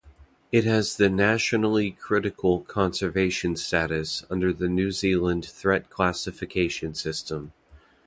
It has the "Nationally Critical" conservation status under the New Zealand Threat Classification System.